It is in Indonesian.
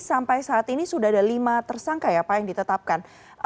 sampai saat ini sudah ada lima tersangka ya pak yang ditetapkan